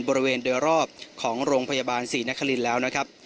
บริเวณโดยรอบของโรงพยาบาลศรีนครินทร์แล้วนะครับ